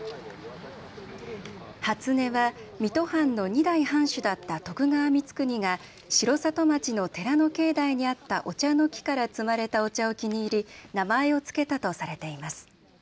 初音は水戸藩の２代藩主だった徳川光圀が城里町の寺の境内にあったお茶の木から摘まれたお茶を気に入り名前をつけたとされています。